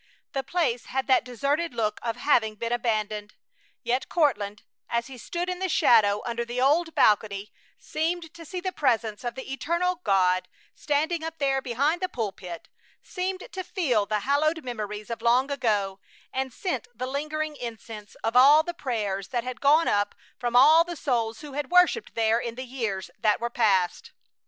The place had that deserted look of having been abandoned, yet Courtland, as he stood in the shadow under the old balcony, seemed to see the Presence of the eternal God standing up there behind the pulpit, seemed to feel the hallowed memories of long ago, and scent the lingering incense of all the prayers that had gone up from all the souls who had worshiped there in the years that were past.